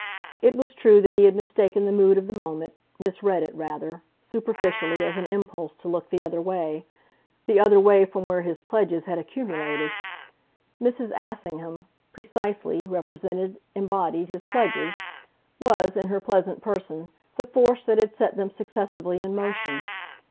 It was true that he had mistaken the mood of the moment, misread it rather, superficially, as an impulse to look the other way the other way from where his pledges had accumulated. Mrs. Assingham, precisely, represented, embodied his pledges was, in her pleasant person, the force that had set them successively in motion.